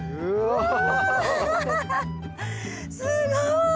すごい！